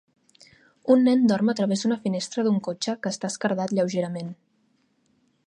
Un nen dorm a través d'una finestra d'un cotxe que està esquerdat lleugerament.